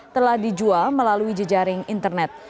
telah dijual melalui jejaring internet